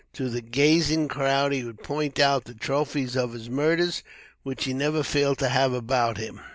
To the gazing crowd, he would point out the trophies of his murders, which he never failed to have about him.